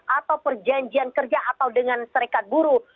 atau perjanjian kerja atau dengan serikat buruh